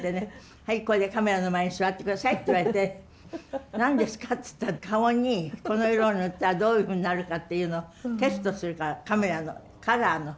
はいこれでカメラの前に座って下さいって言われて何ですかって言ったら顔にこの色を塗ったらどういうふうになるかっていうのをテストするからカメラのカラーの。